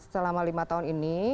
selama lima tahun ini